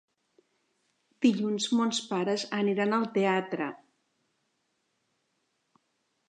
Dilluns mons pares aniran al teatre.